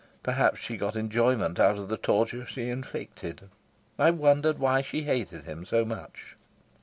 Perhaps she got enjoyment out of the torture she inflicted. I wondered why she hated him so much.